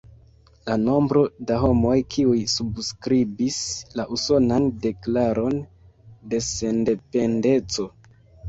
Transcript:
La nombro da homoj kiuj subskribis la Usonan Deklaron de Sendependeco.